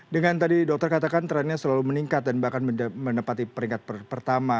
dengan tadi dokter katakan trendnya selalu meningkat dan bahkan menepati peringkat pertama